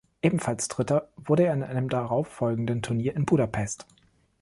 Ebenfalls Dritter wurde er in einem darauf folgenden Turnier in Budapest.